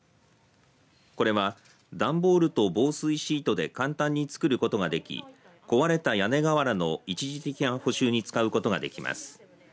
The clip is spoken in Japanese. これは段ボールと防水シートで簡単に作ることができ壊れた屋根瓦の一時的な補修に使うことができます。